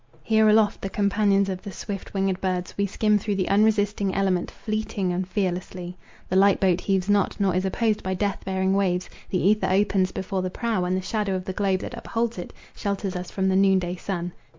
Here aloft, the companions of the swift winged birds, we skim through the unresisting element, fleetly and fearlessly. The light boat heaves not, nor is opposed by death bearing waves; the ether opens before the prow, and the shadow of the globe that upholds it, shelters us from the noon day sun.